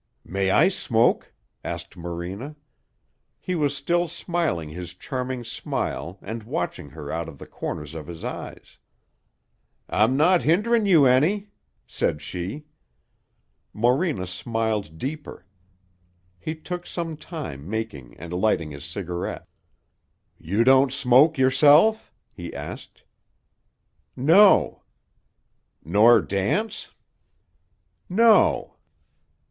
"May I smoke?" asked Morena. He was still smiling his charming smile and watching her out of the corners of his eyes. "I'm not hinderin' you any," said she. Morena smiled deeper. He took some time making and lighting his cigarette. "You don't smoke, yourself?" he asked. "No." "Nor dance?" "No."